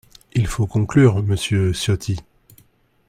Il faut conclure, monsieur Ciotti.